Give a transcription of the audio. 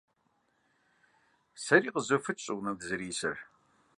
Сэри къызофыкӀ щӀыунэм дызэрисыр.